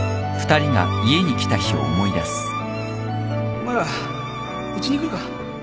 お前らうちに来るか？